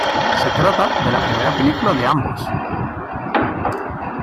Se trata de la primera película de ambos.